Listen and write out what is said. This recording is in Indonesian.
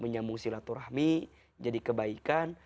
menyambung silaturahmi jadi kebaikan